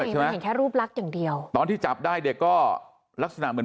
มันเห็นแค่รูปลักษณ์อย่างเดียวตอนที่จับได้เด็กก็ลักษณะเหมือน